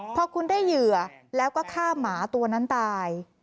พอคุณได้เหยื่อแล้วก็ฆ่าหมาตัวนั้นตาย